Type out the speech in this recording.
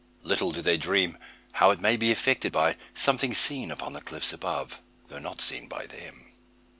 Little do they dream how it may be affected by something seen upon the cliffs above, though not seen by them.